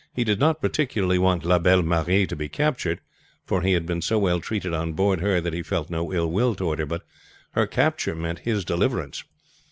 He did not particularly want La Belle Marie to be captured; for he had been so well treated on board her that he felt no ill will toward her. But her capture meant his deliverance.